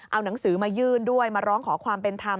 เอาหนังสือมายื่นด้วยมาร้องขอความเป็นธรรม